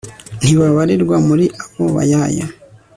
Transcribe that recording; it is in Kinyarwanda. ntibabarirwa muri abo bayaya